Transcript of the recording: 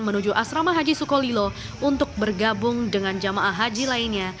menuju asrama haji sukolilo untuk bergabung dengan jamaah haji lainnya